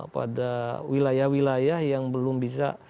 pada wilayah wilayah yang belum bisa